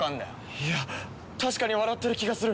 いや確かに笑ってる気がする。